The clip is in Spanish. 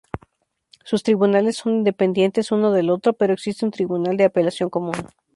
Sus tribunales son independientes uno del otro, pero existe un tribunal de apelación común.